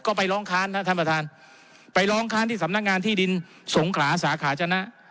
ก็ไปร้องค้านนะท่านประธานไปร้องค้านที่สำนักงานที่ดินสงขลาสาขาชนะ